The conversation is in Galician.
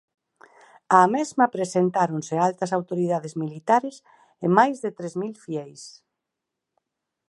Á mesma presentáronse altas autoridades militares e máis de tres mil fieis.